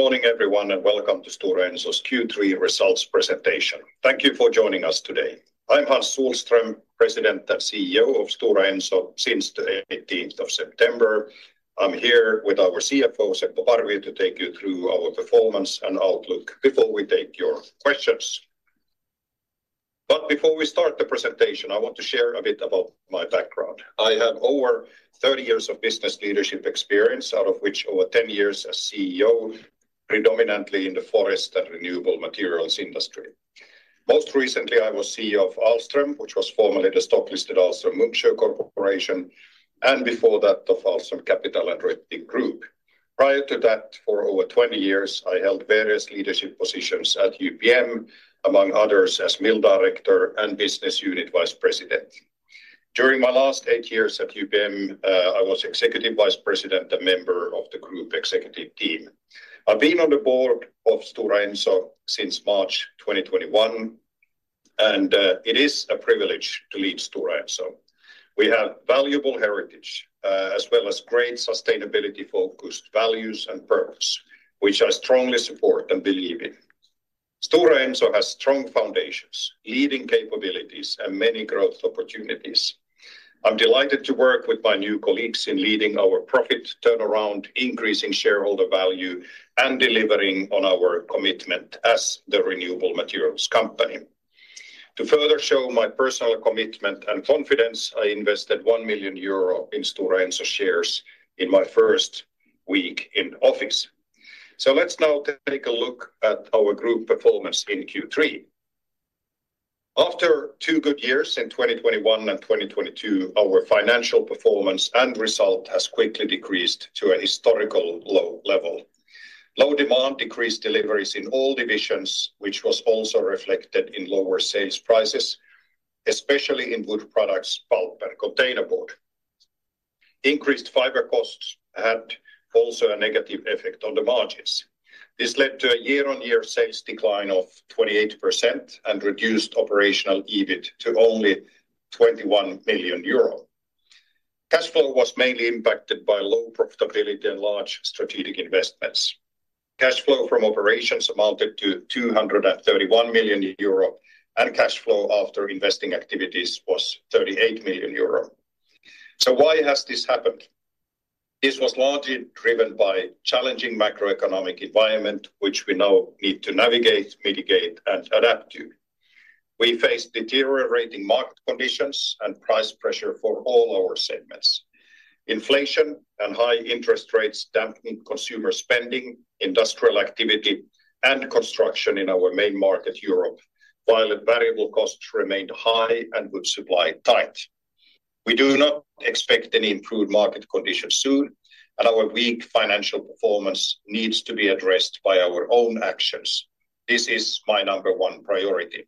Good morning, everyone, and welcome to Stora Enso's Q3 Results Presentation. Thank you for joining us today. I'm Hans Sohlström, President and CEO of Stora Enso since the 18th of September. I'm here with our CFO, Seppo Parvi, to take you through our performance and outlook before we take your questions. But before we start the presentation, I want to share a bit about my background. I have over 30 years of business leadership experience, out of which over 10 years as CEO, predominantly in the forest and renewable materials industry. Most recently, I was CEO of Ahlstrom, which was formerly the stock-listed Ahlstrom-Munksjö Corporation, and before that, the Ahlstrom Capital and Rettig Group. Prior to that, for over 20 years, I held various leadership positions at UPM, among others, as Mill Director and Business Unit Vice President. During my last eight years at UPM, I was Executive Vice President and member of the group executive team. I've been on the board of Stora Enso since March 2021, and, it is a privilege to lead Stora Enso. We have valuable heritage, as well as great sustainability-focused values and purpose, which I strongly support and believe in. Stora Enso has strong foundations, leading capabilities, and many growth opportunities. I'm delighted to work with my new colleagues in leading our profit turnaround, increasing shareholder value, and delivering on our commitment as the renewable materials company. To further show my personal commitment and confidence, I invested 1 million euro in Stora Enso shares in my first week in office. So let's now take a look at our group performance in Q3. After two good years in 2021 and 2022, our financial performance and result has quickly decreased to a historical low level. Low demand decreased deliveries in all divisions, which was also reflected in lower sales prices, especially in wood products, pulp and containerboard. Increased fiber costs had also a negative effect on the margins. This led to a year-on-year sales decline of 28% and reduced operational EBIT to only 21 million euro. Cash flow was mainly impacted by low profitability and large strategic investments. Cash flow from operations amounted to 231 million euro, and cash flow after investing activities was 38 million euro. So why has this happened? This was largely driven by challenging macroeconomic environment, which we now need to navigate, mitigate, and adapt to. We face deteriorating market conditions and price pressure for all our segments. Inflation and high interest rates dampening consumer spending, industrial activity, and construction in our main market, Europe, while variable costs remained high and wood supply tight. We do not expect any improved market conditions soon, and our weak financial performance needs to be addressed by our own actions. This is my number one priority.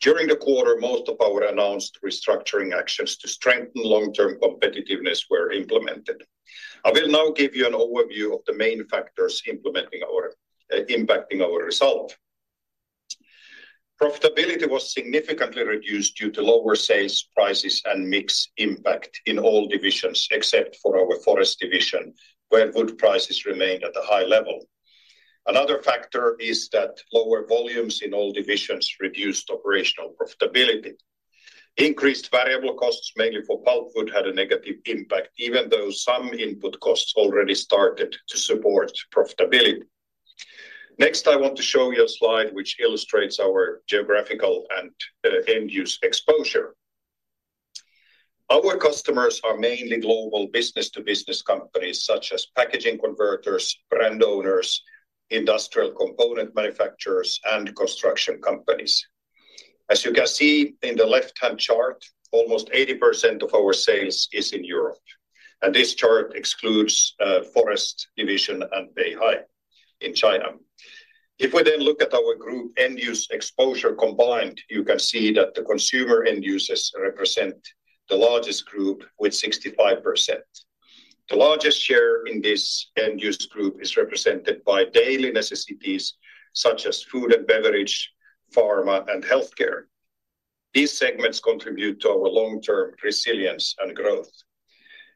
During the quarter, most of our announced restructuring actions to strengthen long-term competitiveness were implemented. I will now give you an overview of the main factors impacting our result. Profitability was significantly reduced due to lower sales, prices, and mix impact in all divisions, except for our forest division, where wood prices remained at a high level. Another factor is that lower volumes in all divisions reduced operational profitability. Increased variable costs, mainly for pulpwood, had a negative impact, even though some input costs already started to support profitability. Next, I want to show you a slide which illustrates our geographical and end-use exposure. Our customers are mainly global business-to-business companies, such as packaging converters, brand owners, industrial component manufacturers, and construction companies. As you can see in the left-hand chart, almost 80% of our sales is in Europe, and this chart excludes Forest Division and Beihai in China. If we then look at our group end-use exposure combined, you can see that the consumer end users represent the largest group with 65%. The largest share in this end-use group is represented by daily necessities, such as food and beverage, pharma, and healthcare. These segments contribute to our long-term resilience and growth.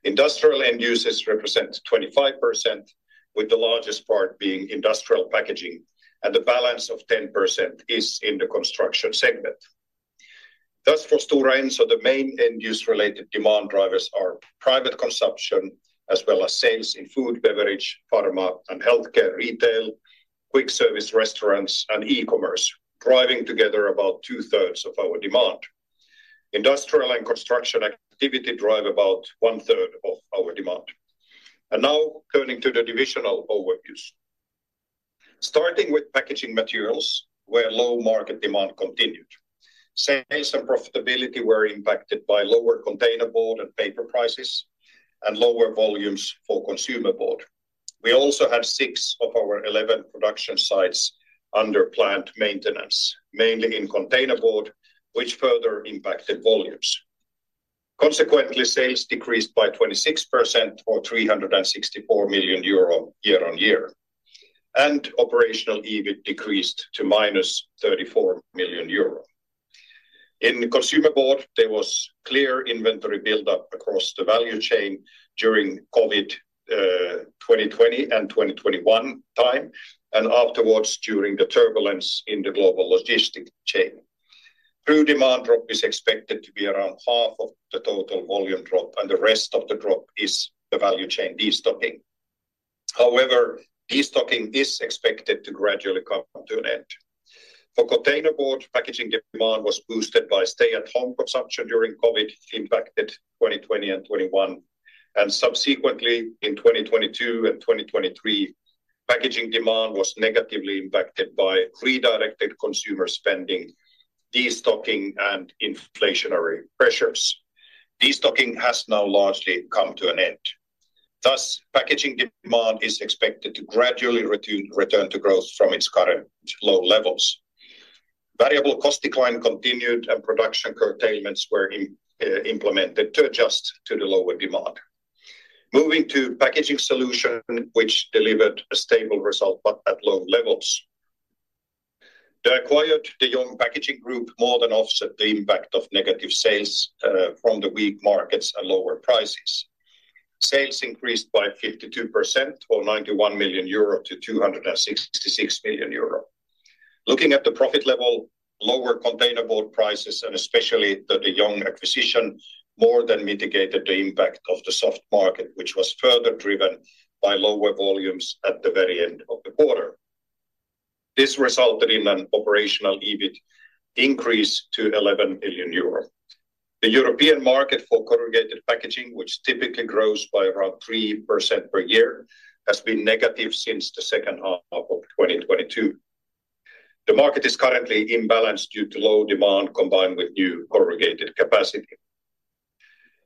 Industrial end users represent 25%, with the largest part being industrial packaging, and the balance of 10% is in the construction segment. Thus, for Stora Enso, the main end-use related demand drivers are private consumption, as well as sales in food, beverage, pharma and healthcare, retail, quick service restaurants, and e-commerce, driving together about two-thirds of our demand. Industrial and construction activity drive about one-third of our demand. Now, turning to the divisional overviews. Starting with Packaging Materials, where low market demand continued. Sales and profitability were impacted by lower containerboard and paper prices and lower volumes for consumer board. We also had six of our 11 production sites under plant maintenance, mainly in containerboard, which further impacted volumes. Consequently, sales decreased by 26% or 364 million euro, year-on-year, and operational EBIT decreased to -34 million euro. In the consumer board, there was clear inventory build-up across the value chain during COVID, 2020 and 2021 time, and afterwards, during the turbulence in the global logistic chain. True demand drop is expected to be around half of the total volume drop, and the rest of the drop is the value chain destocking. However, destocking is expected to gradually come to an end. For containerboard, packaging demand was boosted by stay-at-home consumption during COVID, impacted 2020 and 2021, and subsequently, in 2022 and 2023, packaging demand was negatively impacted by redirected consumer spending, destocking, and inflationary pressures. Destocking has now largely come to an end. Thus, packaging demand is expected to gradually return to growth from its current low levels. Variable cost decline continued, and production curtailments were implemented to adjust to the lower demand. Moving to Packaging Solutions, which delivered a stable result but at low levels. The acquired De Jong Packaging Group more than offset the impact of negative sales from the weak markets and lower prices. Sales increased by 52% or 91 million euro to 266 million euro. Looking at the profit level, lower containerboard prices, and especially the De Jong acquisition, more than mitigated the impact of the soft market, which was further driven by lower volumes at the very end of the quarter. This resulted in an operational EBIT increase to 11 billion euro. The European market for corrugated packaging, which typically grows by around 3% per year, has been negative since the second half of 2022. The market is currently imbalanced due to low demand, combined with new corrugated capacity.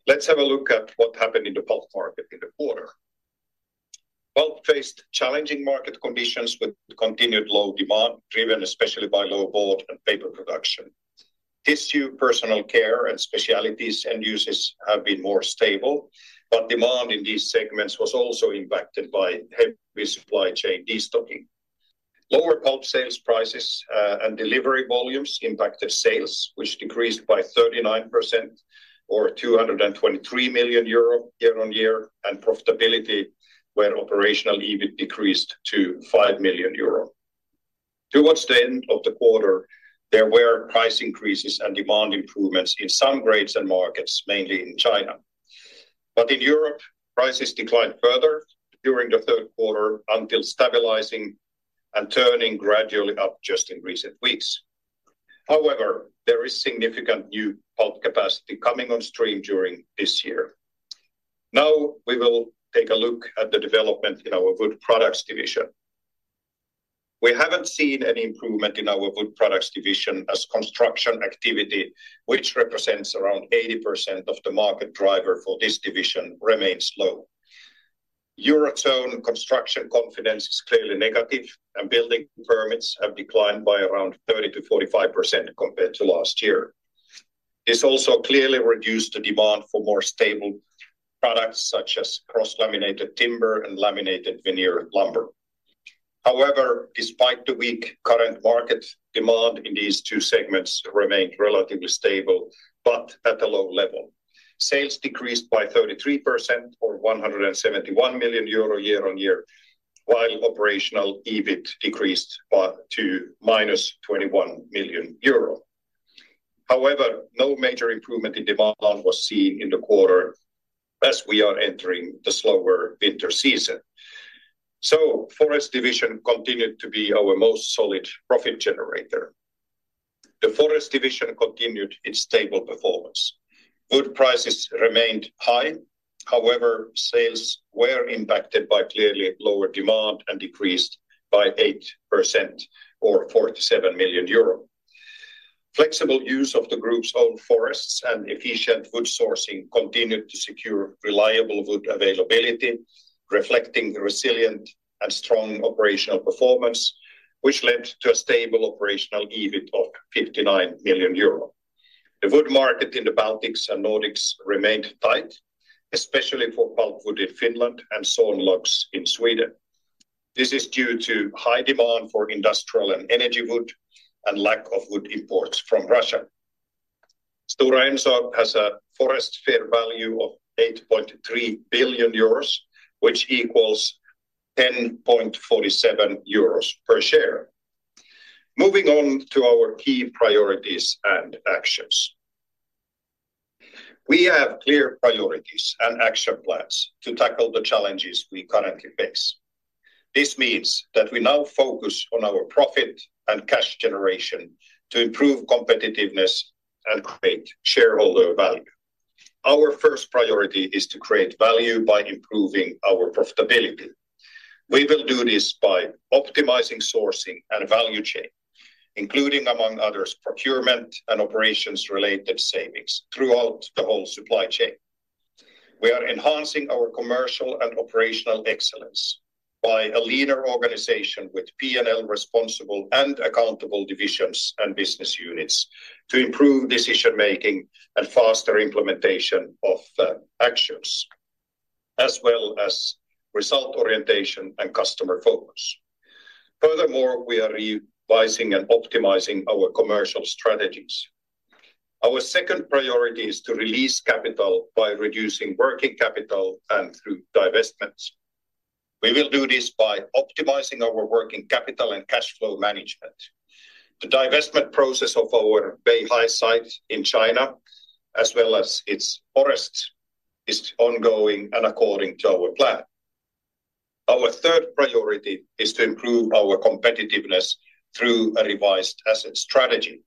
Let's have a look at what happened in the pulp market in the quarter. Pulp faced challenging market conditions with continued low demand, driven especially by low board and paper production. Tissue, personal care, and specialties end users have been more stable, but demand in these segments was also impacted by heavy supply chain destocking. Lower pulp sales prices and delivery volumes impacted sales, which decreased by 39% or 223 million euro year-on-year, and profitability, where operational EBIT decreased to 5 million euro. Towards the end of the quarter, there were price increases and demand improvements in some grades and markets, mainly in China. But in Europe, prices declined further during the third quarter until stabilizing and turning gradually up just in recent weeks. However, there is significant new pulp capacity coming on stream during this year. Now, we will take a look at the development in our Wood Products division. We haven't seen any improvement in our Wood Products division as construction activity, which represents around 80% of the market driver for this division, remains low. Eurozone construction confidence is clearly negative, and building permits have declined by around 30% to 45% compared to last year. This also clearly reduced the demand for more stable products, such as cross-laminated timber and laminated veneer lumber. However, despite the weak current market, demand in these two segments remained relatively stable, but at a low level. Sales decreased by 33% or 171 million euro year-on-year, while operational EBIT decreased by... to -21 million euro. However, no major improvement in demand was seen in the quarter as we are entering the slower winter season. Forest Division continued to be our most solid profit generator. The Forest Division continued its stable performance. Wood prices remained high. However, sales were impacted by clearly lower demand and decreased by 8% or 47 million euro. Flexible use of the group's own forests and efficient wood sourcing continued to secure reliable wood availability, reflecting the resilient and strong operational performance, which led to a stable operational EBIT of 59 million euro. The wood market in the Baltics and Nordics remained tight, especially for pulpwood in Finland and sawlogs in Sweden. This is due to high demand for industrial and energy wood and lack of wood imports from Russia. Stora Enso has a forest fair value of 8.3 billion euros, which equals 10.47 euros per share. Moving on to our key priorities and actions. We have clear priorities and action plans to tackle the challenges we currently face. This means that we now focus on our profit and cash generation to improve competitiveness and create shareholder value. Our first priority is to create value by improving our profitability. We will do this by optimizing sourcing and value chain, including, among others, procurement and operations-related savings throughout the whole supply chain. We are enhancing our commercial and operational excellence by a leaner organization with P&L responsible and accountable divisions and business units to improve decision-making and faster implementation of actions as well as result orientation and customer focus. Furthermore, we are revising and optimizing our commercial strategies. Our second priority is to release capital by reducing working capital and through divestments. We will do this by optimizing our working capital and cash flow management. The divestment process of our Beihai site in China, as well as its forests, is ongoing and according to our plan. Our third priority is to improve our competitiveness through a revised asset strategy.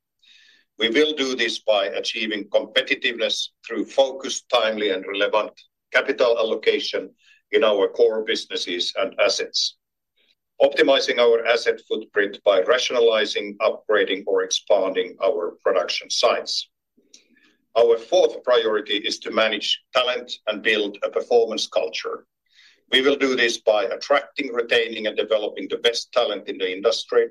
We will do this by achieving competitiveness through focused, timely, and relevant capital allocation in our core businesses and assets, optimizing our asset footprint by rationalizing, upgrading, or expanding our production sites. Our fourth priority is to manage talent and build a performance culture. We will do this by attracting, retaining, and developing the best talent in the industry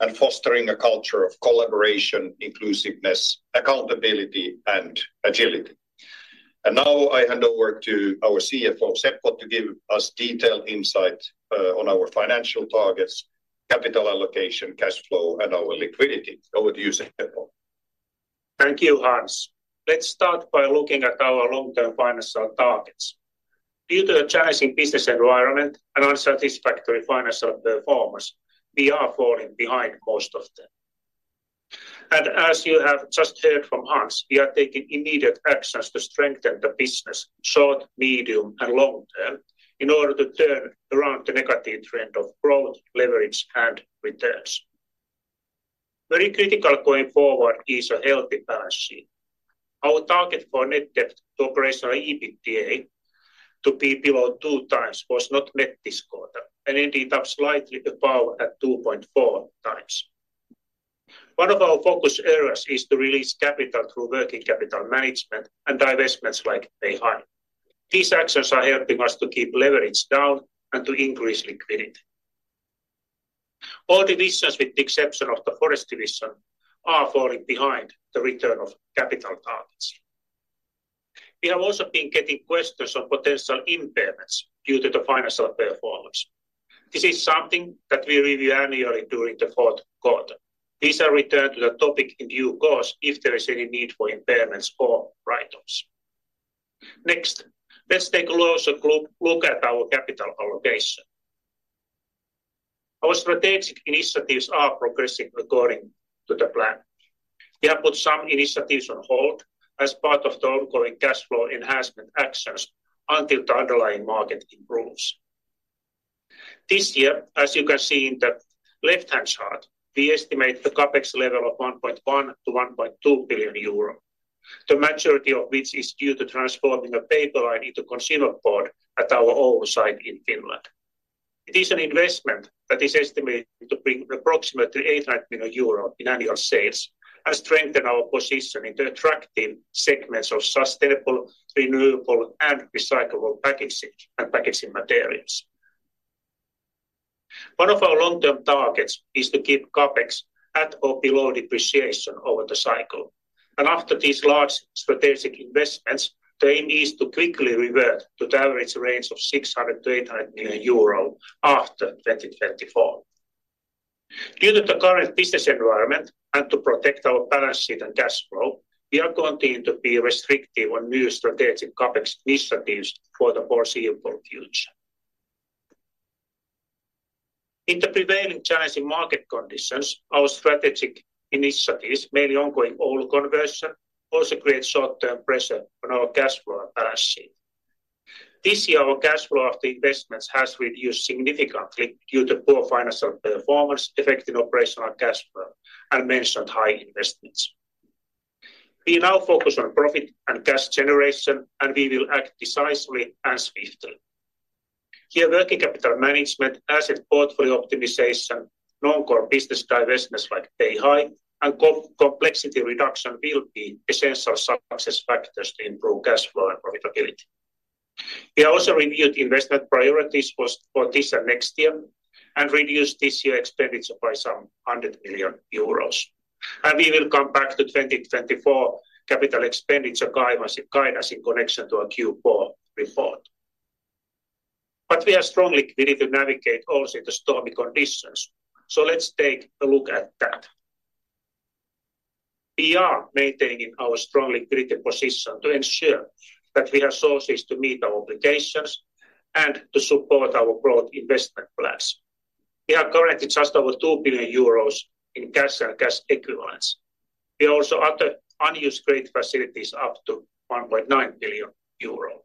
and fostering a culture of collaboration, inclusiveness, accountability, and agility. Now, I hand over to our CFO, Seppo, to give us detailed insight on our financial targets, capital allocation, cash flow, and our liquidity. Over to you, Seppo. Thank you, Hans. Let's start by looking at our long-term financial targets. Due to the challenging business environment and unsatisfactory financial performance, we are falling behind most of them. As you have just heard from Hans, we are taking immediate actions to strengthen the business short, medium, and long term in order to turn around the negative trend of growth, leverage, and returns. Very critical going forward is a healthy balance sheet. Our target for net debt to operational EBITDA to be below 2x was not met this quarter, and ended up slightly above at 2.4x. One of our focus areas is to release capital through working capital management and divestments like Beihai. These actions are helping us to keep leverage down and to increase liquidity. All divisions, with the exception of the forest division, are falling behind the return of capital targets. We have also been getting questions on potential impairments due to the financial performance. This is something that we review annually during the fourth quarter. These are returned to the topic in due course, if there is any need for impairments or write-offs. Next, let's take a closer look at our capital allocation. Our strategic initiatives are progressing according to the plan. We have put some initiatives on hold as part of the ongoing cash flow enhancement actions until the underlying market improves. This year, as you can see in the left-hand chart, we estimate the CapEx level of 1.1 billion to 1.2 billion euro, the majority of which is due to transforming a paper line into consumer board at our Oulu site in Finland. It is an investment that is estimated to bring approximately 800 million euro in annual sales, and strengthen our position in the attractive segments of sustainable, renewable, and recyclable packaging and Packaging Materials. One of our long-term targets is to keep CapEx at or below depreciation over the cycle, and after these large strategic investments, the aim is to quickly revert to the average range of 600 million to 800 million euro after 2024. Due to the current business environment, and to protect our balance sheet and cash flow, we are going to be restrictive on new strategic CapEx initiatives for the foreseeable future. In the prevailing challenging market conditions, our strategic initiatives, mainly ongoing Oulu conversion, also create short-term pressure on our cash flow balance sheet. This year, our cash flow of the investments has reduced significantly due to poor financial performance, affecting operational cash flow, and mentioned high investments. We now focus on profit and cash generation, and we will act decisively and swiftly. Here, working capital management, asset portfolio optimization, non-core business divestments like Beihai, and complexity reduction will be essential success factors to improve cash flow and profitability. We also reviewed investment priorities for this and next year, and reduced this year expenditure by some 100 million euros. We will come back to 2024 capital expenditure guidance in connection to our Q4 report. We are strongly committed to navigate also the stormy conditions, so let's take a look at that. We are maintaining our strong liquidity position to ensure that we have sources to meet our obligations and to support our growth investment plans. We have currently just over 2 billion euros in cash and cash equivalents. We also have other unused credit facilities up to 1.9 billion euro.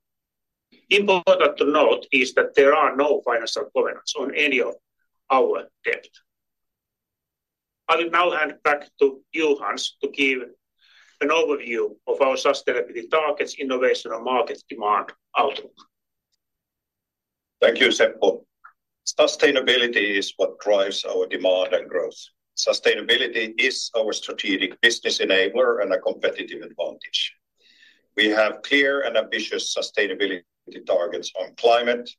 Important to note is that there are no financial covenants on any of our debt. I will now hand back to you, Hans, to give an overview of our sustainability targets, innovation, and market demand outlook. Thank you, Seppo. Sustainability is what drives our demand and growth. Sustainability is our strategic business enabler and a competitive advantage. We have clear and ambitious sustainability targets on climate,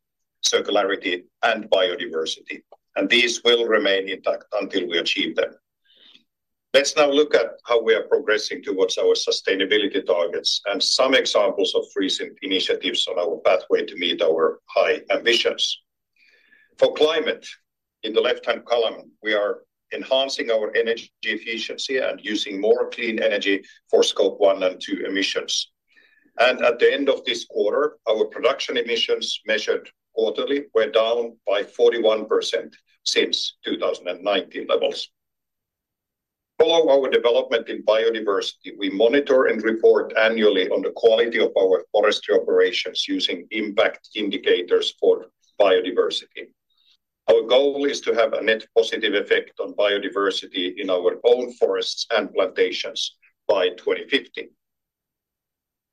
circularity, and biodiversity, and these will remain intact until we achieve them. Let's now look at how we are progressing towards our sustainability targets, and some examples of recent initiatives on our pathway to meet our high ambitions. For climate, in the left-hand column, we are enhancing our energy efficiency and using more clean energy for Scope 1 and 2 emissions. At the end of this quarter, our production emissions, measured quarterly, were down by 41% since 2019 levels. To follow our development in biodiversity, we monitor and report annually on the quality of our forestry operations using impact indicators for biodiversity. Our goal is to have a net positive effect on biodiversity in our own forests and plantations by 2050.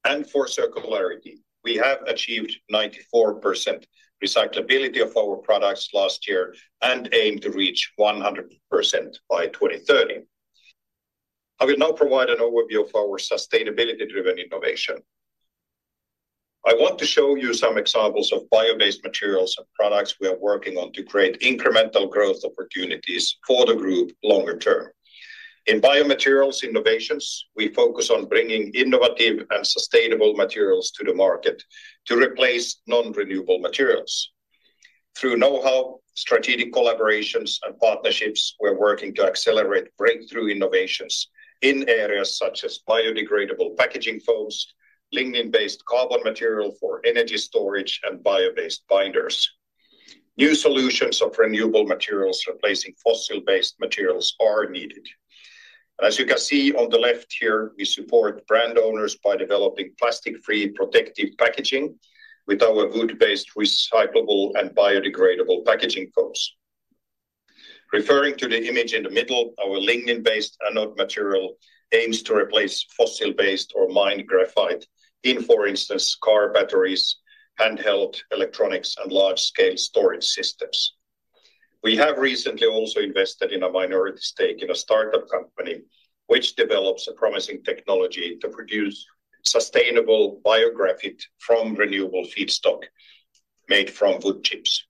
And for circularity, we have achieved 94% recyclability of our products last year and aim to reach 100% by 2030. I will now provide an overview of our sustainability-driven innovation. I want to show you some examples of bio-based materials and products we are working on to create incremental growth opportunities for the group longer term. In biomaterials innovations, we focus on bringing innovative and sustainable materials to the market to replace non-renewable materials. Through know-how, strategic collaborations, and partnerships, we're working to accelerate breakthrough innovations in areas such as biodegradable packaging foams, lignin-based carbon material for energy storage, and bio-based binders. New solutions of renewable materials replacing fossil-based materials are needed. As you can see on the left here, we support brand owners by developing plastic-free protective packaging with our wood-based recyclable and biodegradable packaging foams. Referring to the image in the middle, our lignin-based anode material aims to replace fossil-based or mined graphite in, for instance, car batteries, handheld electronics, and large-scale storage systems. We have recently also invested in a minority stake in a startup company, which develops a promising technology to produce sustainable bio-graphite from renewable feedstock made from wood chips.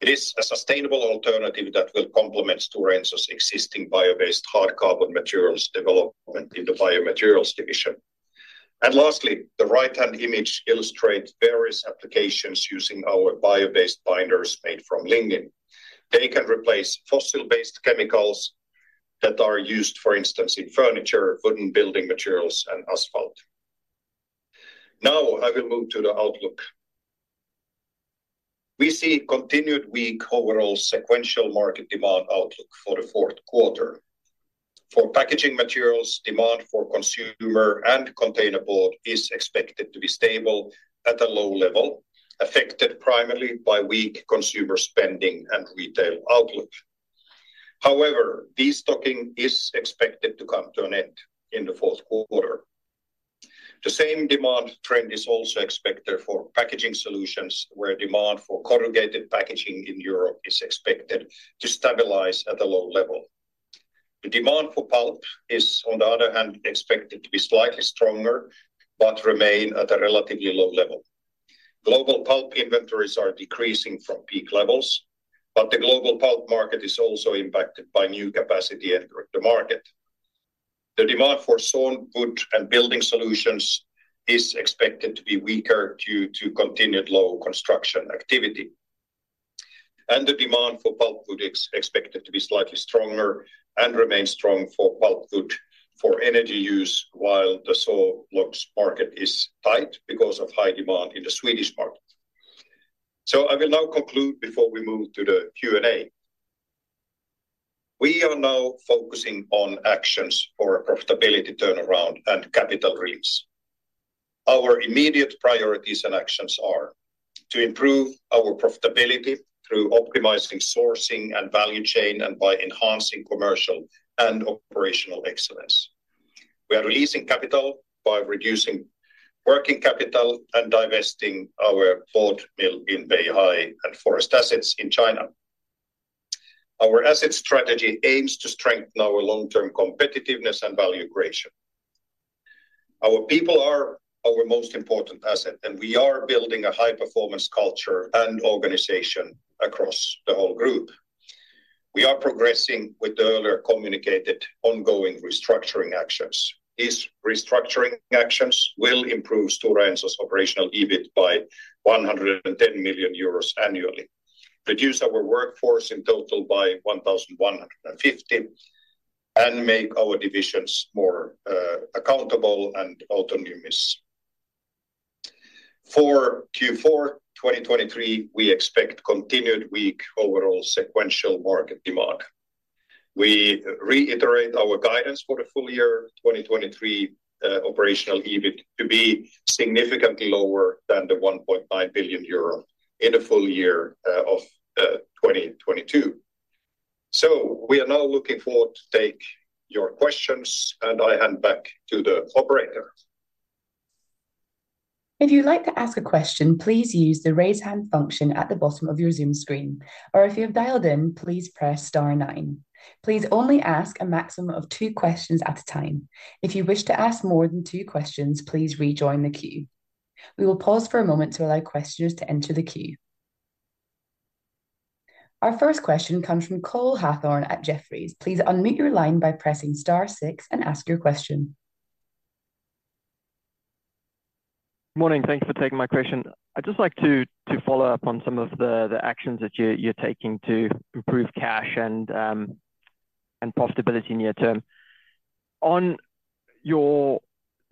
It is a sustainable alternative that will complement Stora Enso's existing bio-based hard carbon materials development in the Biomaterials division. And lastly, the right-hand image illustrates various applications using our bio-based binders made from lignin. They can replace fossil-based chemicals that are used, for instance, in furniture, wooden building materials, and asphalt. Now, I will move to the outlook. We see continued weak overall sequential market demand outlook for the fourth quarter. For Packaging Materials, demand for consumer and containerboard is expected to be stable at a low level, affected primarily by weak consumer spending and retail outlook. However, destocking is expected to come to an end in the fourth quarter. The same demand trend is also expected for packaging solutions, where demand for corrugated packaging in Europe is expected to stabilize at a low level. The demand for pulp is, on the other hand, expected to be slightly stronger, but remain at a relatively low level. Global pulp inventories are decreasing from peak levels, but the global pulp market is also impacted by new capacity entering the market. The demand for sawn wood and building solutions is expected to be weaker due to continued low construction activity. The demand for pulpwood is expected to be slightly stronger and remain strong for pulpwood for energy use, while the saw logs market is tight because of high demand in the Swedish market. I will now conclude before we move to the Q&A. We are now focusing on actions for a profitability turnaround and capital release. Our immediate priorities and actions are: to improve our profitability through optimizing sourcing and value chain and by enhancing commercial and operational excellence. We are releasing capital by reducing working capital and divesting our board mill in Beihai and forest assets in China. Our asset strategy aims to strengthen our long-term competitiveness and value creation. Our people are our most important asset, and we are building a high-performance culture and organization across the whole group. We are progressing with the earlier communicated ongoing restructuring actions. These restructuring actions will improve Stora Enso's operational EBIT by 110 million euros annually, reduce our workforce in total by 1,150, and make our divisions more accountable and autonomous. For Q4 2023, we expect continued weak overall sequential market demand. We reiterate our guidance for the full year 2023 operational EBIT to be significantly lower than the 1.9 billion euro in the full year of 2022. So we are now looking forward to take your questions, and I hand back to the operator. If you'd like to ask a question, please use the Raise Hand function at the bottom of your Zoom screen, or if you have dialed in, please press star nine. Please only ask a maximum of two questions at a time. If you wish to ask more than two questions, please rejoin the queue. We will pause for a moment to allow questioners to enter the queue... Our first question comes from Cole Hathorn at Jefferies. Please unmute your line by pressing star six and ask your question. Morning. Thank you for taking my question. I'd just like to follow up on some of the actions that you're taking to improve cash and profitability near term. On your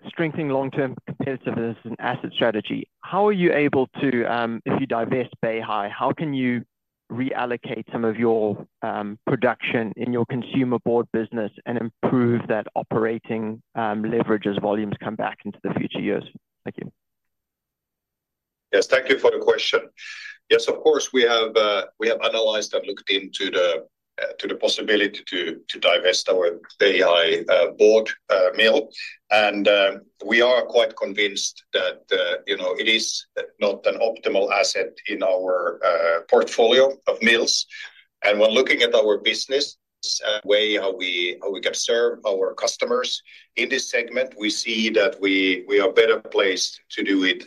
strengthening long-term competitiveness and asset strategy, how are you able to, if you divest Beihai, how can you reallocate some of your production in your consumer board business and improve that operating leverage as volumes come back into the future years? Thank you. Yes, thank you for the question. Yes, of course, we have analyzed and looked into the possibility to divest our Beihai board mill. And, we are quite convinced that, you know, it is not an optimal asset in our portfolio of mills. And when looking at our business and way how we can serve our customers in this segment, we see that we are better placed to do it,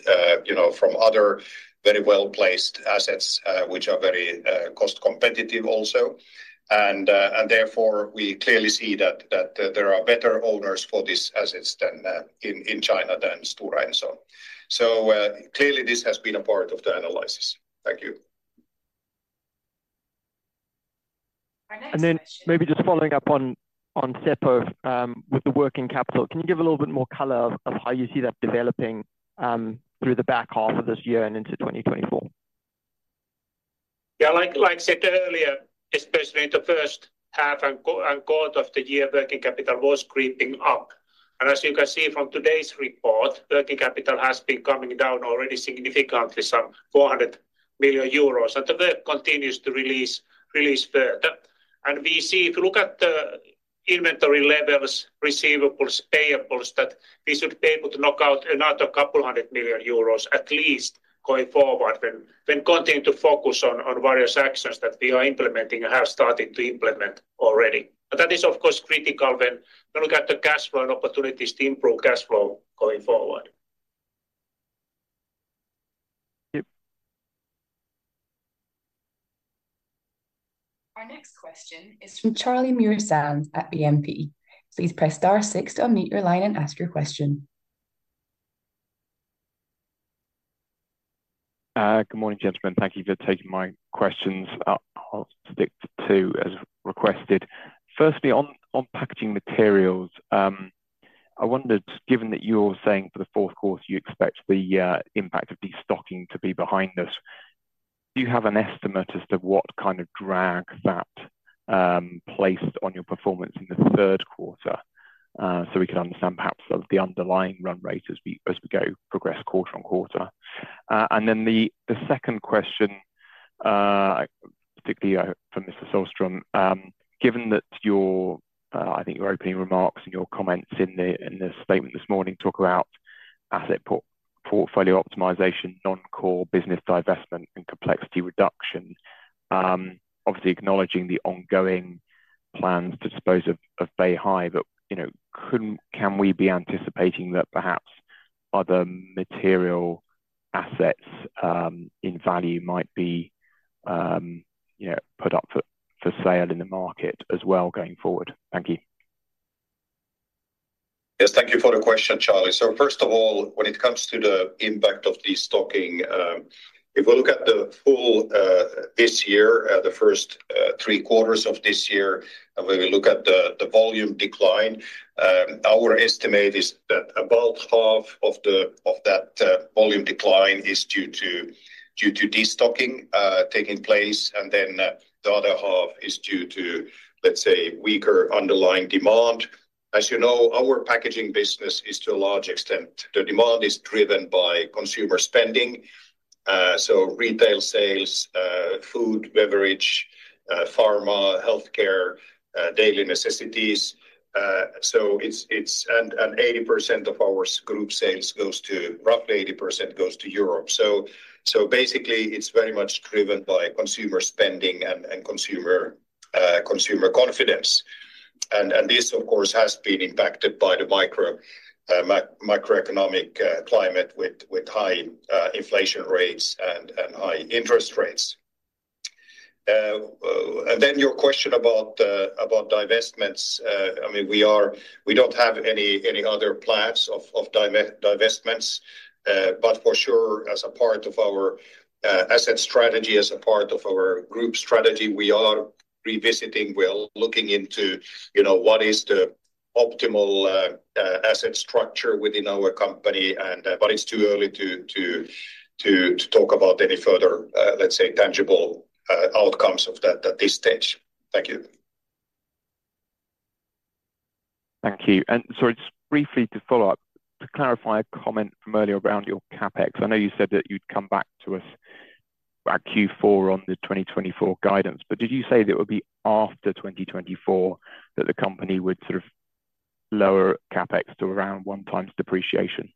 you know, from other very well-placed assets, which are very cost competitive also. And therefore, we clearly see that there are better owners for these assets than in China than Stora Enso. So, clearly, this has been a part of the analysis. Thank you. Our next question. Then maybe just following up on Seppo with the working capital, can you give a little bit more color of how you see that developing through the back half of this year and into 2024? Yeah, like I said earlier, especially in the first half and quarter of the year, working capital was creeping up. As you can see from today's report, working capital has been coming down already significantly, some 400 million euros, and the work continues to release further. We see, if you look at the inventory levels, receivables, payables, that we should be able to knock out another couple hundred million EUR at least going forward when we continue to focus on various actions that we are implementing and have started to implement already. But that is, of course, critical when we look at the cash flow and opportunities to improve cash flow going forward. Thank you. Our next question is from Charlie Muir-Sands at BNP. Please press star six to unmute your line and ask your question. Good morning, gentlemen. Thank you for taking my questions. I'll stick to two, as requested. Firstly, on Packaging Materials, I wondered, given that you're saying for the fourth quarter, you expect the impact of destocking to be behind us, do you have an estimate as to what kind of drag that placed on your performance in the third quarter? So we can understand perhaps the underlying run rate as we progress quarter-on-quarter. And then the second question, particularly, for Mr. Sohlström, given that your... I think your opening remarks and your comments in the statement this morning talk about asset portfolio optimization, non-core business divestment, and complexity reduction, obviously acknowledging the ongoing plans to dispose of Beihai. But, you know, can we be anticipating that perhaps other material assets in value might be, you know, put up for sale in the market as well going forward? Thank you. Yes, thank you for the question, Charlie. So first of all, when it comes to the impact of destocking, if we look at the full this year, the first three quarters of this year, and when we look at the volume decline, our estimate is that about half of that volume decline is due to destocking taking place, and then the other half is due to, let's say, weaker underlying demand. As you know, our packaging business is to a large extent, the demand is driven by consumer spending, so retail sales, food, beverage, pharma, healthcare, daily necessities. So it's and 80% of our group sales goes to... Roughly 80% goes to Europe. So basically, it's very much driven by consumer spending and consumer confidence. And this, of course, has been impacted by the macroeconomic climate with high inflation rates and high interest rates. And then your question about divestments, I mean, we don't have any other plans of divestments, but for sure, as a part of our asset strategy, as a part of our group strategy, we are revisiting, we are looking into, you know, what is the optimal asset structure within our company. But it's too early to talk about any further, let's say, tangible outcomes of that at this stage. Thank you. Thank you. And sorry, just briefly to follow up, to clarify a comment from earlier around your CapEx. I know you said that you'd come back to us by Q4 on the 2024 guidance, but did you say that it would be after 2024 that the company would sort of lower CapEx to around 1x depreciation?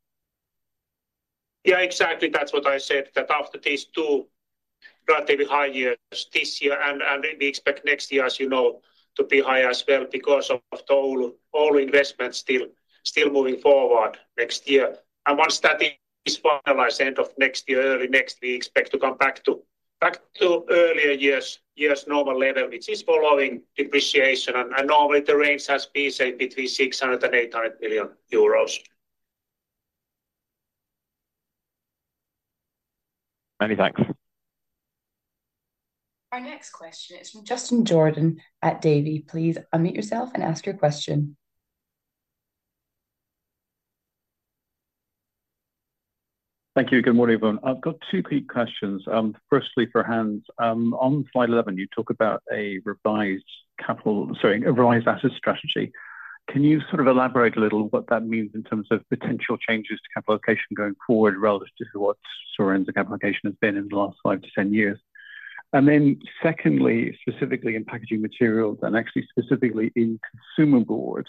Yeah, exactly. That's what I said, that after these two relatively high years, this year, and, and we expect next year, as you know, to be high as well because of the all, all investments still, still moving forward next year. And once that is finalized end of next year, early next, we expect to come back to-... back to earlier years, years normal level, which is following depreciation. And, and normally the range has been, say, between 600 billion and 800 billion euros. Many thanks. Our next question is from Justin Jordan at Davy. Please unmute yourself and ask your question. Thank you. Good morning, everyone. I've got two quick questions. Firstly, for Hans, on slide 11, you talk about a revised capital, sorry, a revised asset strategy. Can you sort of elaborate a little what that means in terms of potential changes to capital allocation going forward, relative to what Stora Enso capital allocation has been in the last 5-10 years? And then secondly, specifically in Packaging Materials, and actually specifically in consumer board,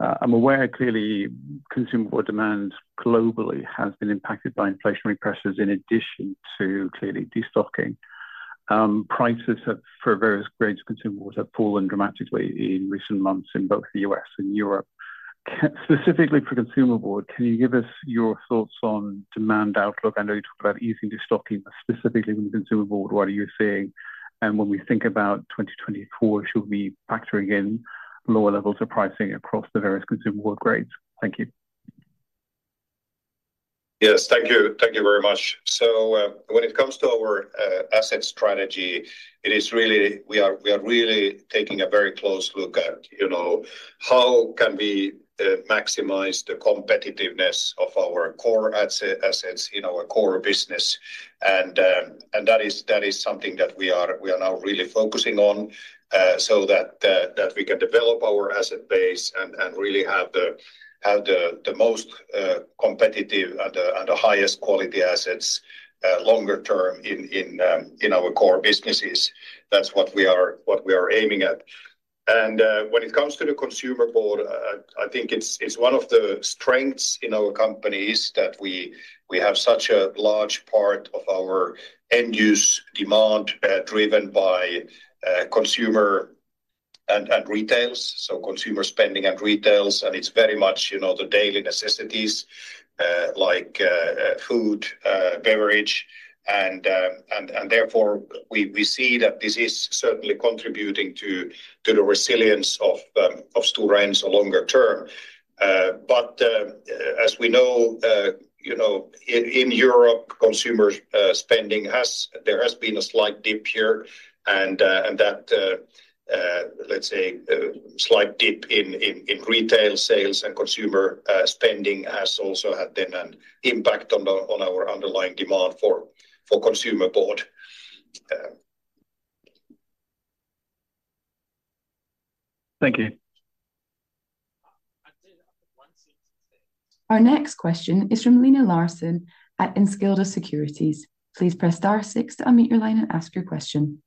I'm aware, clearly, consumer board demand globally has been impacted by inflationary pressures in addition to clearly destocking. Prices have, for various grades of consumer board have fallen dramatically in recent months in both the US and Europe. Specifically for consumer board, can you give us your thoughts on demand outlook? I know you talked about easing destocking, but specifically with consumer board, what are you seeing? When we think about 2024, should we be factoring in lower levels of pricing across the various consumer board grades? Thank you. Yes, thank you. Thank you very much. So, when it comes to our asset strategy, it is really—we are, we are really taking a very close look at, you know, how can we maximize the competitiveness of our core asset, assets in our core business. And, and that is, that is something that we are, we are now really focusing on, so that that we can develop our asset base and, and really have the, have the, the most competitive and, and the highest quality assets longer term in, in, in our core businesses. That's what we are, what we are aiming at. When it comes to the consumer board, I think it's one of the strengths in our company is that we have such a large part of our end-use demand driven by consumer and retail, so consumer spending and retail, and it's very much, you know, the daily necessities, like food, beverage. And therefore, we see that this is certainly contributing to the resilience of Stora Enso longer term. But as we know, you know, in Europe, consumer spending has... There has been a slight dip here, and that, let's say, slight dip in retail sales and consumer spending has also had then an impact on our underlying demand for consumer board. Thank you. Our next question is from Linus Larsson at SEB. Please press star six to unmute your line and ask your question.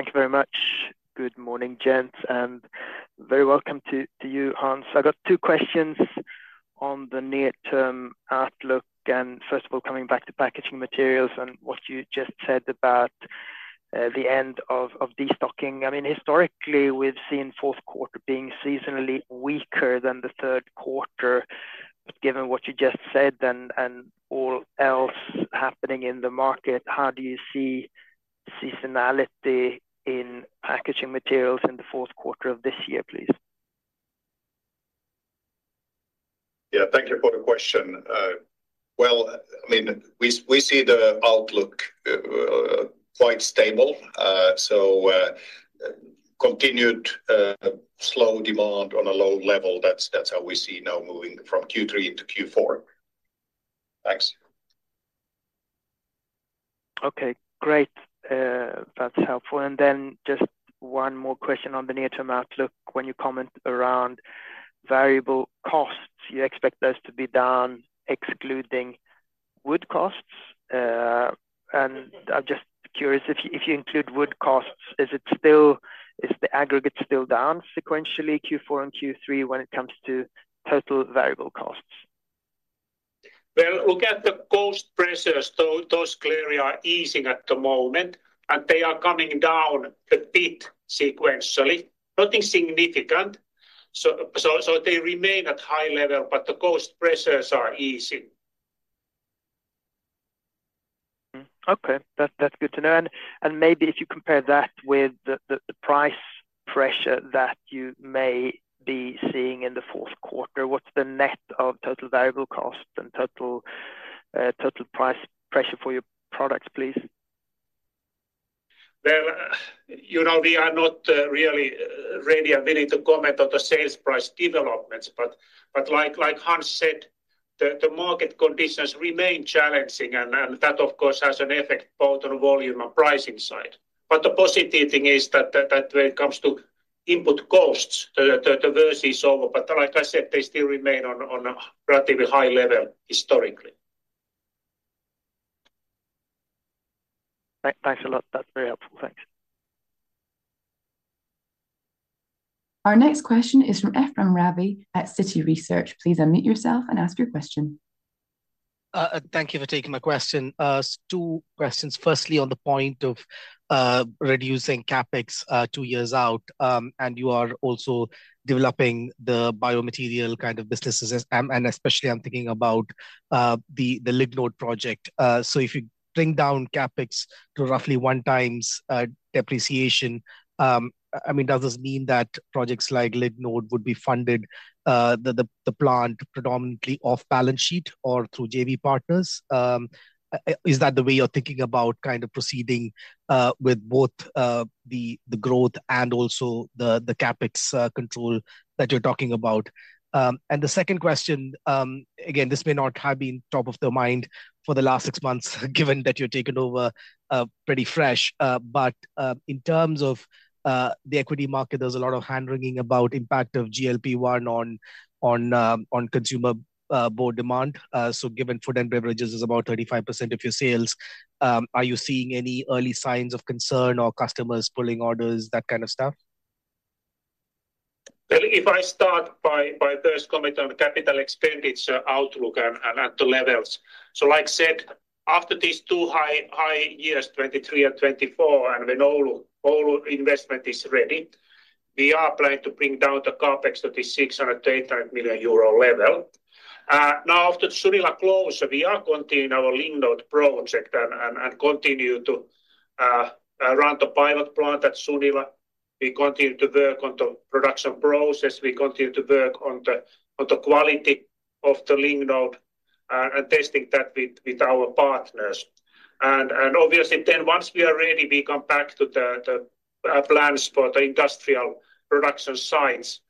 Thank you very much. Good morning, gents, and very welcome to you, Hans. I got two questions on the near-term outlook, and first of all, coming back to Packaging Materials and what you just said about the end of destocking. I mean, historically, we've seen fourth quarter being seasonally weaker than the third quarter. But given what you just said and all else happening in the market, how do you see seasonality in Packaging Materials in the fourth quarter of this year, please? Yeah, thank you for the question. Well, I mean, we see the outlook quite stable. So, continued slow demand on a low level, that's how we see now moving from Q3 into Q4. Thanks. Okay, great. That's helpful. And then just one more question on the near-term outlook. When you comment around variable costs, you expect those to be down, excluding wood costs? And I'm just curious, if you, if you include wood costs, is it still - is the aggregate still down sequentially, Q4 and Q3, when it comes to total variable costs? Well, look at the cost pressures, those clearly are easing at the moment, and they are coming down a bit sequentially, nothing significant. So they remain at high level, but the cost pressures are easing. Okay. That's good to know. And maybe if you compare that with the price pressure that you may be seeing in the fourth quarter, what's the net of total variable cost and total price pressure for your products, please? Well, you know, we are not really ready and willing to comment on the sales price developments, but like Hans said, the market conditions remain challenging, and that, of course, has an effect both on volume and pricing side. But the positive thing is that when it comes to input costs, the worst is over. But like I said, they still remain on a relatively high level historically. Thanks a lot. That's very helpful. Thank you.... Our next question is from Ephrem Ravi at Citi Research. Please unmute yourself and ask your question. Thank you for taking my question. Two questions. Firstly, on the point of reducing CapEx two years out, and you are also developing the biomaterial kind of businesses. And especially I'm thinking about the Lignode project. So if you bring down CapEx to roughly 1x depreciation, I mean, does this mean that projects like Lignode would be funded the plant predominantly off balance sheet or through JV partners? Is that the way you're thinking about kind of proceeding with both the growth and also the CapEx control that you're talking about? And the second question, again, this may not have been top of the mind for the last six months, given that you're taking over pretty fresh. But in terms of the equity market, there's a lot of hand-wringing about impact of GLP-1 on consumer board demand. So given food and beverages is about 35% of your sales, are you seeing any early signs of concern or customers pulling orders, that kind of stuff? Well, if I start by first comment on the capital expenditure outlook and at the levels. So, like I said, after these two high years, 2023 and 2024, and when all investment is ready, we are planning to bring down the CapEx to this 600 million euro to 800 million euro level. Now, after Sunila close, we are continuing our Lignode project and continue to run the pilot plant at Sunila. We continue to work on the production process. We continue to work on the quality of the Lignode and testing that with our partners. And obviously, then once we are ready, we come back to the plans for the industrial production sites,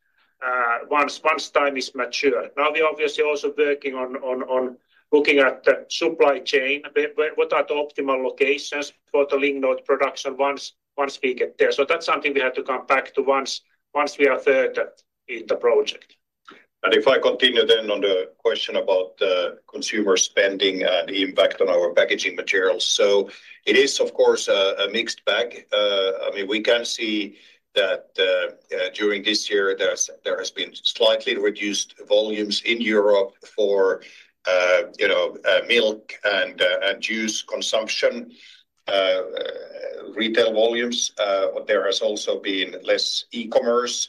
once time is mature. Now, we are obviously also working on looking at the supply chain. Where, what are the optimal locations for the Lignode production once we get there? So that's something we have to come back to once we are further in the project. If I continue then on the question about the consumer spending and the impact on our Packaging Materials. So it is of course a mixed bag. I mean, we can see that during this year, there has been slightly reduced volumes in Europe for you know milk and juice consumption retail volumes. There has also been less e-commerce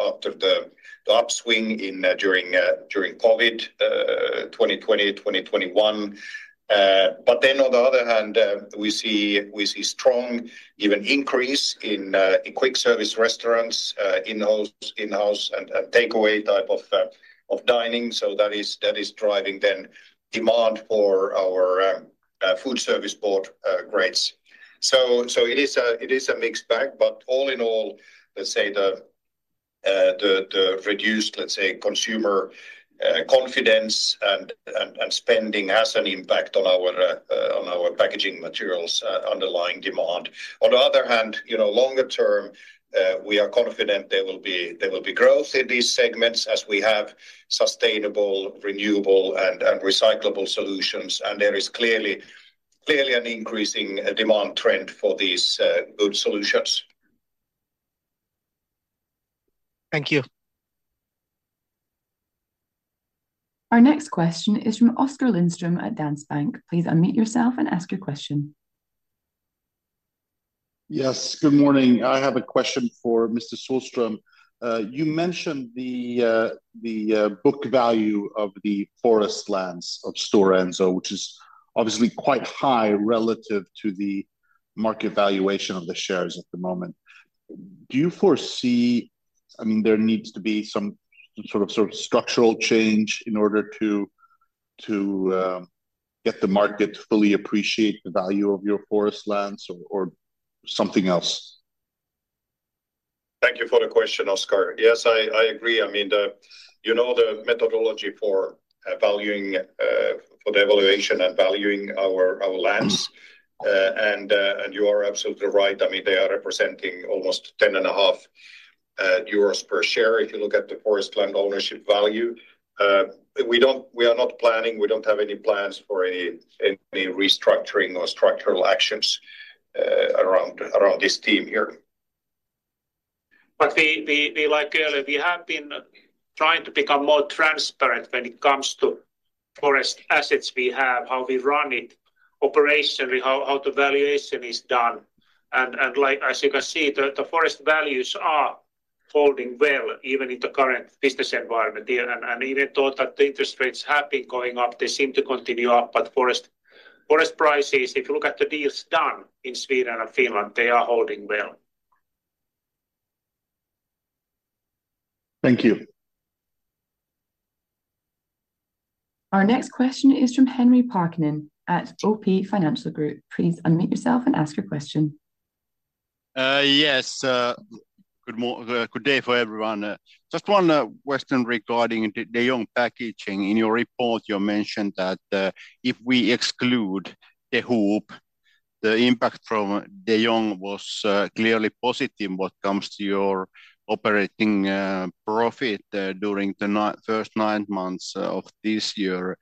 after the upswing during COVID, 2020, 2021. But then on the other hand, we see strong even increase in quick service restaurants, in-house and takeaway type of dining. So that is driving then demand for our food service board grades. So it is a mixed bag. But all in all, let's say the reduced, let's say, consumer confidence and spending has an impact on our Packaging Materials' underlying demand. On the other hand, you know, longer term, we are confident there will be growth in these segments as we have sustainable, renewable, and recyclable solutions, and there is clearly an increasing demand trend for these good solutions. Thank you. Our next question is from Oskar Lindström at Danske Bank. Please unmute yourself and ask your question. Yes, good morning. I have a question for Mr. Sohlström. You mentioned the book value of the forest lands of Stora Enso, which is obviously quite high relative to the market valuation of the shares at the moment. Do you foresee... I mean, there needs to be some sort of structural change in order to get the market to fully appreciate the value of your forest lands or something else? Thank you for the question, Oskar. Yes, I agree. I mean, the, you know, the methodology for valuing for the valuation and valuing our lands. And you are absolutely right. I mean, they are representing almost 10.5 euros per share, if you look at the forest land ownership value. We don't—we are not planning, we don't have any plans for any restructuring or structural actions around this team here. But we, like earlier, have been trying to become more transparent when it comes to forest assets we have, how we run it operationally, how the valuation is done. And like, as you can see, the forest values are holding well, even in the current business environment here. And even though that the interest rates have been going up, they seem to continue up, but forest prices, if you look at the deals done in Sweden and Finland, they are holding well. Thank you. Our next question is from Henri Parkkinen at OP Financial Group. Please unmute yourself and ask your question. Yes. Good day for everyone. Just one question regarding the De Jong packaging. In your report, you mentioned that, if we exclude the one-off, the impact from De Jong was clearly positive when it comes to your operating profit during the first nine months of this year.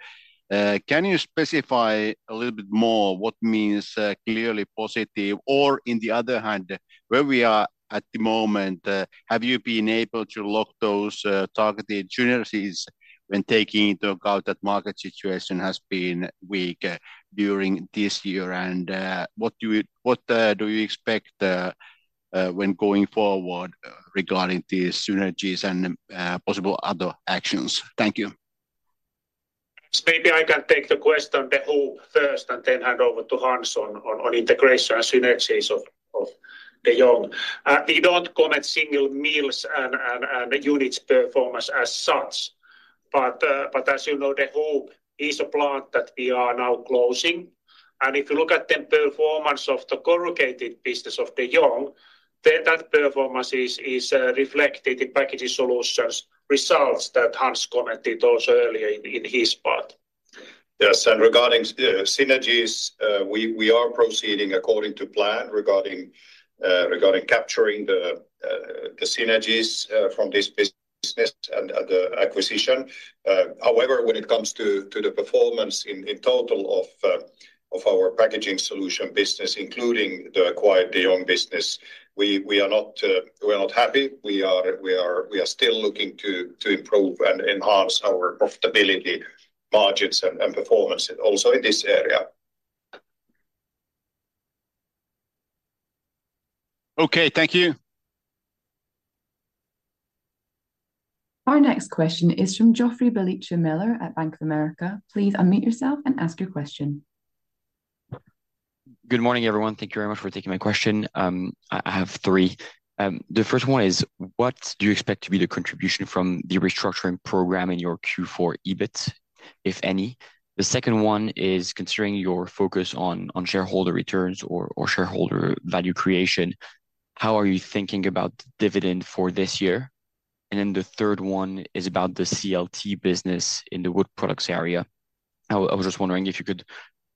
Can you specify a little bit more what means clearly positive? Or on the other hand, where we are at the moment, have you been able to lock those targeted synergies when taking into account that market situation has been weak during this year? And what do you expect when going forward regarding these synergies and possible other actions? Thank you. So maybe I can take the question the whole first, and then hand over to Hans on integration and synergies of De Jong. We don't comment single mills and units performance as such, but as you know, De Jong is a plant that we are now closing. And if you look at the performance of the corrugated business of De Jong, then that performance is reflected in packaging solutions results that Hans commented also earlier in his part. Yes, and regarding synergies, we are proceeding according to plan regarding capturing the synergies from this business and the acquisition. However, when it comes to the performance in total of our packaging solution business, including the acquired De Jong business, we are not happy. We are still looking to improve and enhance our profitability, margins, and performance also in this area. Okay, thank you. Our next question is from Joffrey Bellicha Meller at Bank of America. Please unmute yourself and ask your question. Good morning, everyone. Thank you very much for taking my question. I have three. The first one is, what do you expect to be the contribution from the restructuring program in your Q4 EBIT, if any? The second one is considering your focus on shareholder returns or shareholder value creation, how are you thinking about dividend for this year? And then the third one is about the CLT business in the wood products area. I was just wondering if you could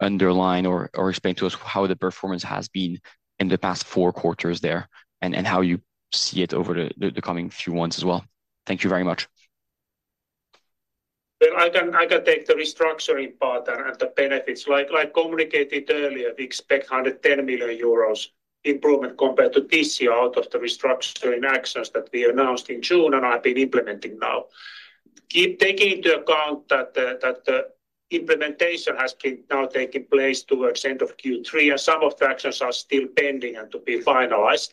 underline or explain to us how the performance has been in the past four quarters there, and how you see it over the coming few months as well. Thank you very much. Well, I can take the restructuring part and the benefits. Like communicated earlier, we expect 110 million euros improvement compared to this year out of the restructuring actions that we announced in June and have been implementing now. Keep taking into account that the implementation has now been taking place towards end of Q3, and some of the actions are still pending and to be finalized.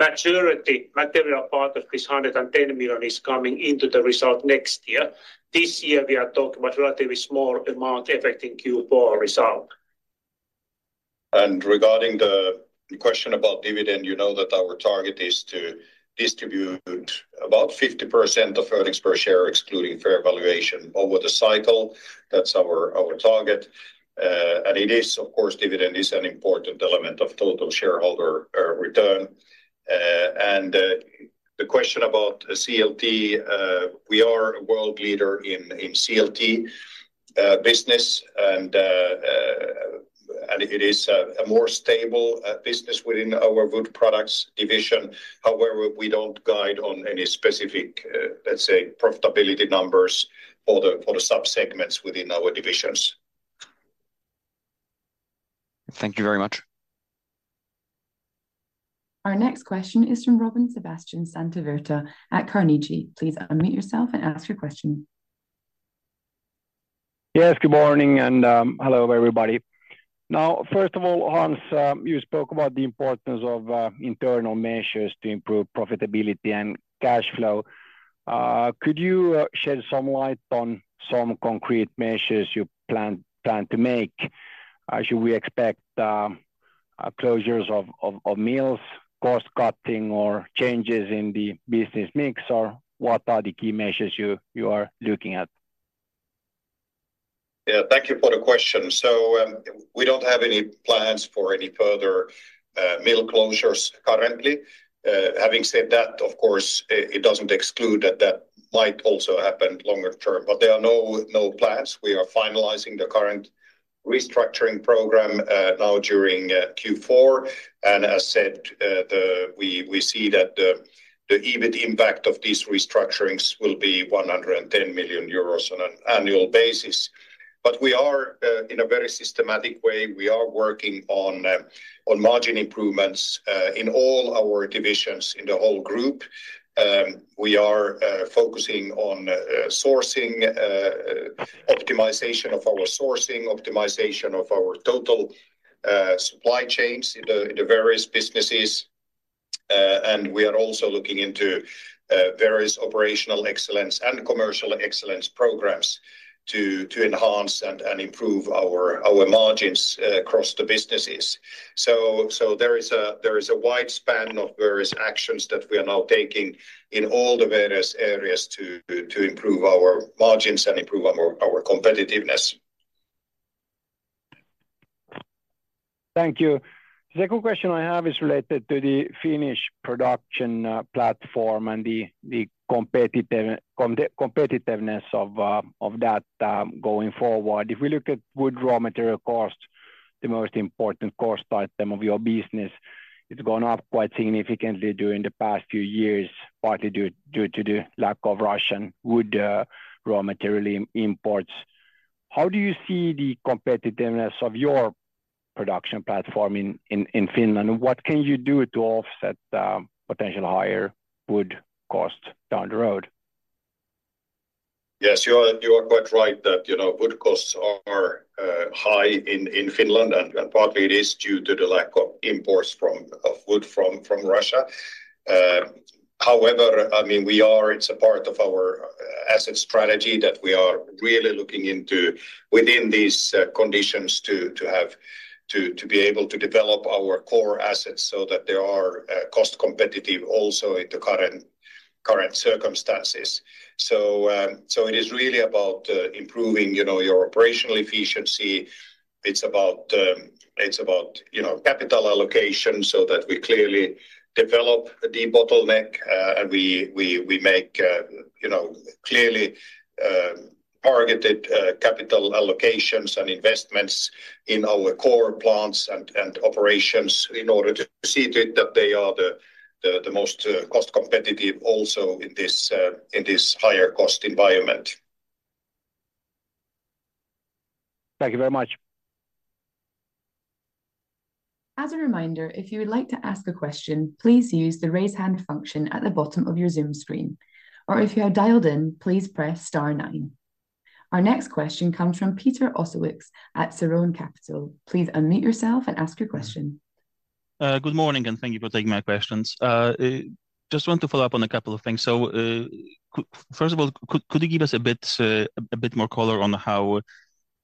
Majority material part of this 110 million is coming into the result next year. This year, we are talking about relatively small amount affecting Q4 result. Regarding the question about dividend, you know that our target is to distribute about 50% of earnings per share, excluding fair valuation over the cycle. That's our target. And it is, of course, dividend is an important element of total shareholder return. And the question about CLT, we are a world leader in CLT business, and it is a more stable business within our wood products division. However, we don't guide on any specific, let's say, profitability numbers for the sub-segments within our divisions. Thank you very much. Our next question is from Robin Santavirta at Carnegie. Please unmute yourself and ask your question. Yes, good morning, and hello, everybody. Now, first of all, Hans, you spoke about the importance of internal measures to improve profitability and cash flow. Could you shed some light on some concrete measures you plan to make? Should we expect closures of mills, cost cutting, or changes in the business mix, or what are the key measures you are looking at? Yeah, thank you for the question. So, we don't have any plans for any further, mill closures currently. Having said that, of course, it doesn't exclude that that might also happen longer term, but there are no plans. We are finalizing the current restructuring program, now during Q4, and as said, the... We see that the EBIT impact of these restructurings will be 110 million euros on an annual basis. But we are, in a very systematic way, we are working on, on margin improvements, in all our divisions in the whole group. We are focusing on, sourcing, optimization of our sourcing, optimization of our total, supply chains in the various businesses. And we are also looking into various operational excellence and commercial excellence programs to enhance and improve our margins across the businesses. So there is a wide span of various actions that we are now taking in all the various areas to improve our margins and improve our more, our competitiveness. Thank you. The second question I have is related to the Finnish production platform and the competitiveness of that going forward. If we look at wood raw material costs, the most important cost item of your business. It's gone up quite significantly during the past few years, partly due to the lack of Russian wood raw material imports. How do you see the competitiveness of your production platform in Finland? What can you do to offset potential higher wood costs down the road? Yes, you are quite right that, you know, wood costs are high in Finland, and partly it is due to the lack of imports of wood from Russia. However, I mean, it's a part of our asset strategy that we are really looking into within these conditions to be able to develop our core assets so that they are cost competitive also in the current circumstances. So it is really about improving, you know, your operational efficiency. It's about, you know, capital allocation, so that we clearly develop the bottleneck, and we make, you know, clearly targeted capital allocations and investments in our core plants and operations in order to proceed it that they are the most cost competitive also in this higher cost environment. Thank you very much. As a reminder, if you would like to ask a question, please use the Raise Hand function at the bottom of your Zoom screen, or if you are dialed in, please press star nine. Our next question comes from Piotr Ossowicz at Serone Capital. Please unmute yourself and ask your question. Good morning, and thank you for taking my questions. Just want to follow up on a couple of things. First of all, could you give us a bit more color on how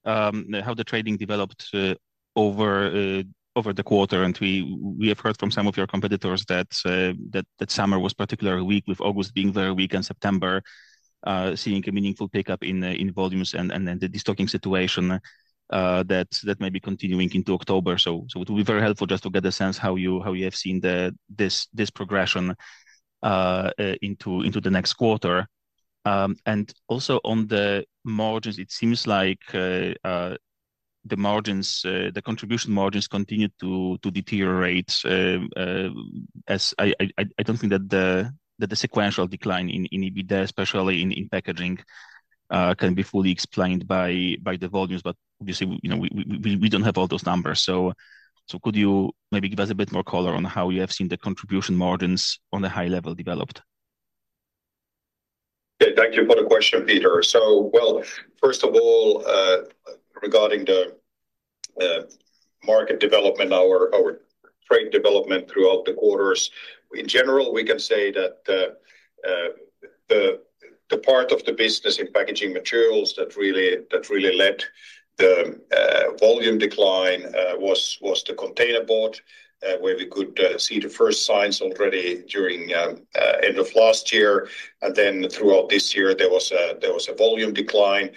the trading developed over the quarter? We have heard from some of your competitors that summer was particularly weak, with August being very weak and September seeing a meaningful pickup in volumes and then the destocking situation that may be continuing into October. So it would be very helpful just to get a sense how you have seen this progression into the next quarter. And also on the margins, it seems like the contribution margins continued to deteriorate. As I don't think that the sequential decline in EBITDA, especially in packaging, can be fully explained by the volumes. But obviously, we, you know, we don't have all those numbers. So could you maybe give us a bit more color on how you have seen the contribution margins on the high level developed? Yeah, thank you for the question, Piotr. So well, first of all, regarding the market development, our trade development throughout the quarters. In general, we can say that the part of the business in Packaging Materials that really led the volume decline was the containerboard, where we could see the first signs already during end of last year. And then throughout this year, there was a volume decline,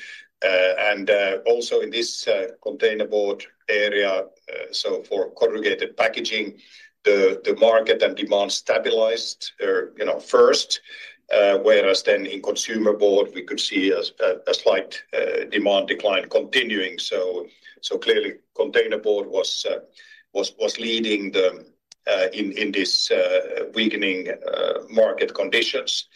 and also in this containerboard area, so for corrugated packaging, the market and demand stabilized, you know, first, whereas then in consumer board, we could see a slight demand decline continuing. So clearly, containerboard was leading in this weakening market conditions.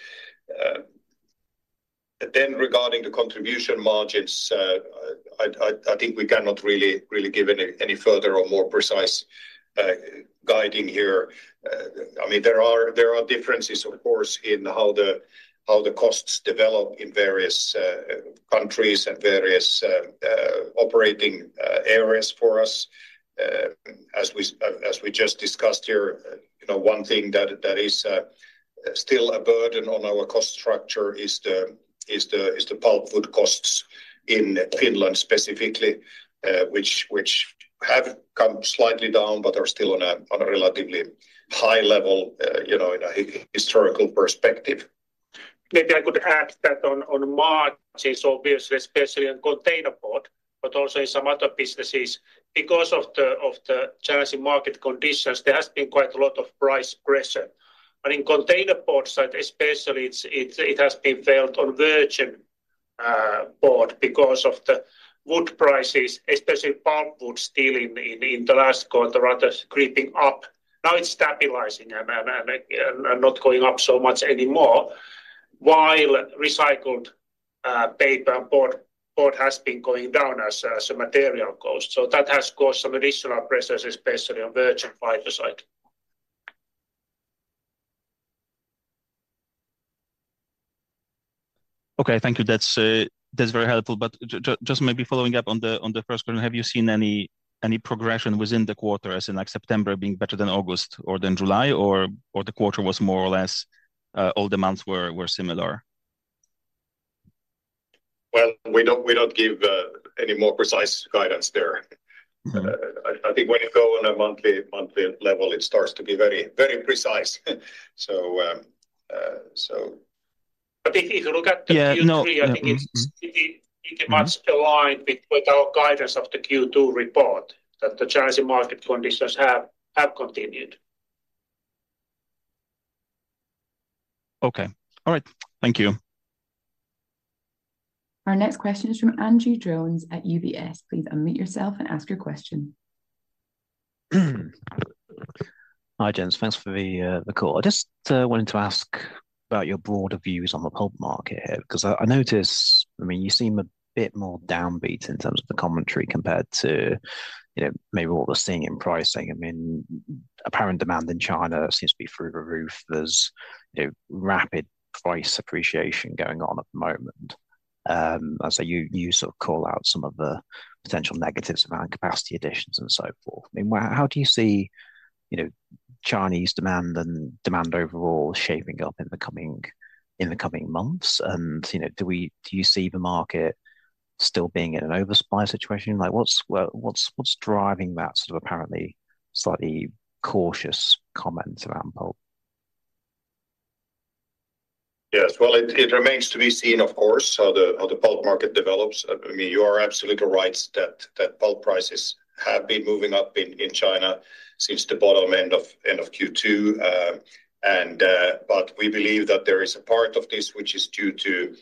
Then regarding the contribution margins, I think we cannot really give any further or more precise guiding here. I mean, there are differences, of course, in how the costs develop in various countries and various operating areas for us. As we just discussed here, you know, one thing that is still a burden on our cost structure is the pulpwood costs in Finland specifically, which have come slightly down, but are still on a relatively high level, you know, in a historical perspective. Maybe I could add that on margins, obviously, especially on containerboard, but also in some other businesses, because of the challenging market conditions, there has been quite a lot of price pressure. But in containerboard side especially, it's, it has been felt on virgin board because of the wood prices, especially pulpwood, still in the last quarter, rather creeping up. Now it's stabilizing and not going up so much anymore, while recycled paper and board has been going down as a material cost. So that has caused some additional pressures, especially on virgin fiber side. Okay, thank you. That's, that's very helpful. But just maybe following up on the, on the first question, have you seen any, any progression within the quarter as in, like, September being better than August or than July, or, or the quarter was more or less, all the months were, were similar? Well, we don't, we don't give any more precise guidance there. Mm-hmm. I think when you go on a monthly level, it starts to be very, very precise. So... But if you look at the Q3- Yeah, no, mm-hmm, mm-hmm. I think it's pretty much aligned with our guidance of the Q2 report, that the challenging market conditions have continued. Okay. All right, thank you. Our next question is from Andrew Jones at UBS. Please unmute yourself and ask your question. Hi, gents. Thanks for the call. I just wanted to ask about your broader views on the pulp market here, because I noticed... I mean, you seem a bit more downbeat in terms of the commentary compared to, you know, maybe what we're seeing in pricing. I mean, apparent demand in China seems to be through the roof. There's, you know, rapid price appreciation going on at the moment. As I say, you sort of call out some of the potential negatives around capacity additions and so forth. I mean, how do you see, you know, Chinese demand and demand overall shaping up in the coming months? And, you know, do you see the market still being in an oversupply situation? Like, what's driving that sort of apparently slightly cautious comment around pulp? Yes, well, it remains to be seen, of course, how the pulp market develops. I mean, you are absolutely right that pulp prices have been moving up in China since the bottom end of Q2. But we believe that there is a part of this which is due to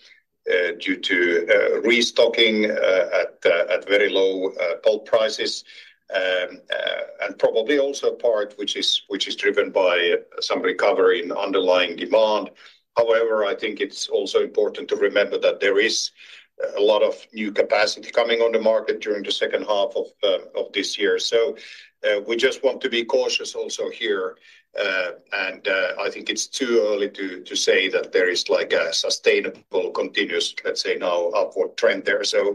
restocking at very low pulp prices. And probably also a part which is driven by some recovery in underlying demand. However, I think it's also important to remember that there is a lot of new capacity coming on the market during the second half of this year. So, we just want to be cautious also here. I think it's too early to say that there is, like, a sustainable, continuous, let's say now, upward trend there. I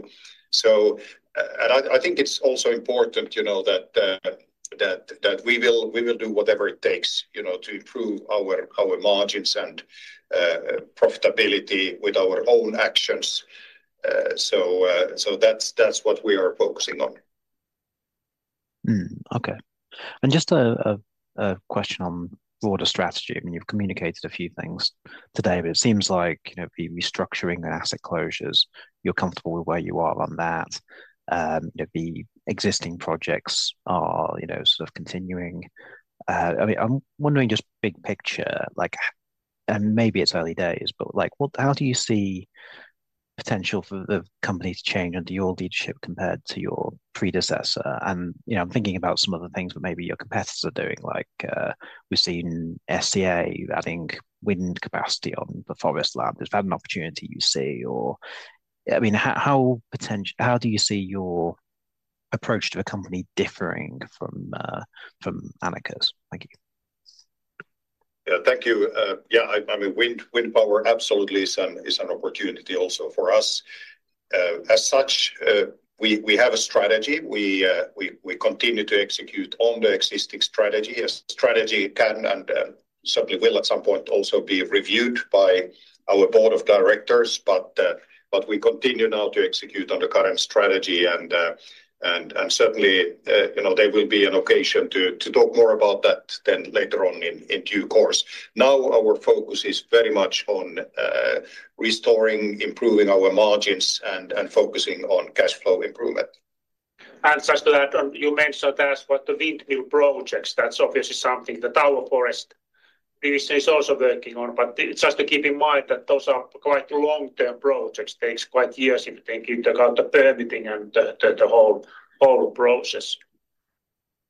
think it's also important to know that we will do whatever it takes, you know, to improve our margins and profitability with our own actions. That's what we are focusing on. Okay. And just a question on broader strategy. I mean, you've communicated a few things today, but it seems like, you know, the restructuring and asset closures, you're comfortable with where you are on that. The existing projects are, you know, sort of continuing. I mean, I'm wondering just big picture, like, and maybe it's early days, but, like, how do you see potential for the company to change under your leadership compared to your predecessor? And, you know, I'm thinking about some of the things that maybe your competitors are doing, like, we've seen SCA adding wind capacity on the forest land. Is that an opportunity you see, or... I mean, how do you see your approach to the company differing from Annika's? Thank you. Yeah. Thank you. Yeah, I mean, wind power absolutely is an opportunity also for us. As such, we have a strategy. We continue to execute on the existing strategy. A strategy can and certainly will at some point also be reviewed by our board of directors, but we continue now to execute on the current strategy. And certainly, you know, there will be an occasion to talk more about that then later on in due course. Now, our focus is very much on restoring, improving our margins, and focusing on cash flow improvement. Just to add on, you mentioned as well the windmill projects. That's obviously something that our forest business is also working on. But just to keep in mind that those are quite long-term projects, takes quite years if you think about the permitting and the whole process.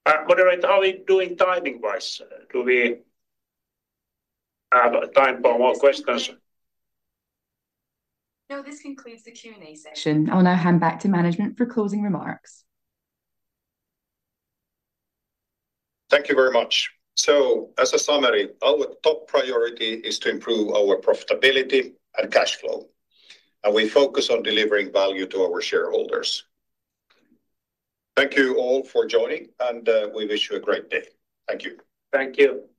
Moderator, how are we doing timing-wise? Do we have time for more questions? No, this concludes the Q&A session. I'll now hand back to management for closing remarks. Thank you very much. So as a summary, our top priority is to improve our profitability and cash flow, and we focus on delivering value to our shareholders. Thank you all for joining, and we wish you a great day. Thank you. Thank you.